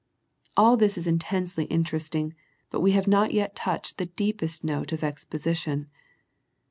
All this is intensely interesting, but we have not yet touched the deepest note of exposition.